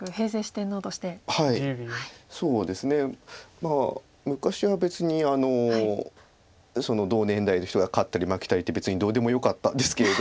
まあ昔は別に同年代の人が勝ったり負けたりって別にどうでもよかったですけれど。